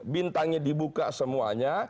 bintangnya dibuka semuanya